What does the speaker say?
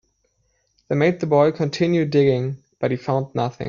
They made the boy continue digging, but he found nothing.